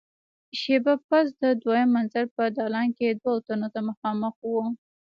شېبه پس د دويم منزل په دالان کې دوو تنو ته مخامخ وو.